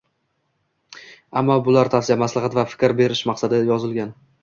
Ammo bular tavsiya, maslahat va fikr berish maqsadida yozilgan